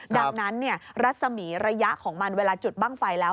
ดังนั้นรัศมีระยะของมันเวลาจุดบ้างไฟแล้ว